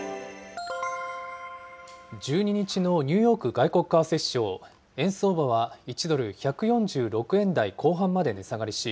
１２日のニューヨーク外国為替市場、円相場は１ドル１４６円台後半まで値下がりし、